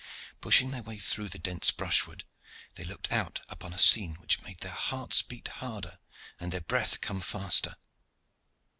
Pushing their way through the dense brushwood, they looked out upon a scene which made their hearts beat harder and their breath come faster.